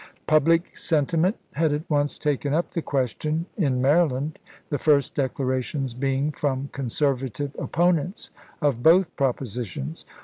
Public sentiment had at once taken up the question in Maryland, the first declarations being from conservative opponents of both propo sitions.